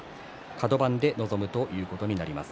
カド番で臨むということになります。